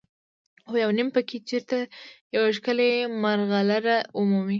خو یو نیم پکې چېرته یوه ښکلې مرغلره ومومي.